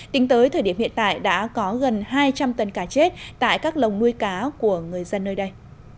tính tới thời điểm hiện tại đã có gần hai trăm linh tấn cá chết tại các lồng nuôi cá của người dân nơi đây